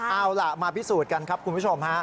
เอาล่ะมาพิสูจน์กันครับคุณผู้ชมฮะ